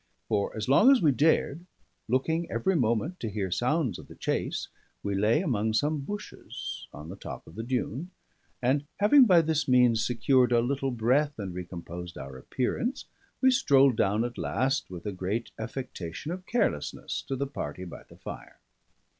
For as long as we dared, looking every moment to hear sounds of the chase, we lay among some bushes on the top of the dune; and having by this means secured a little breath and recomposed our appearance, we strolled down at last, with a great affectation of carelessness, to the party by the fire.